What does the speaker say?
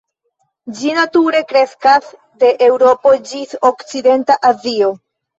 Ĝi nature kreskas de Eŭropo ĝis okcidenta Azio.